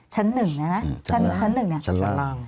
ชั้นล่าง